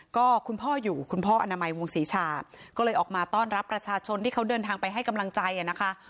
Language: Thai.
ก็คุณพ่ออยู่คุณพ่ออนามัยวงศรีชาก็เลยออกมาต้อนรับประชาชนที่เขาเดินทางไปให้กำลังใจนะคะ